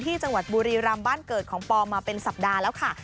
จังหวัดบุรีรำบ้านเกิดของปอมาเป็นสัปดาห์แล้วค่ะ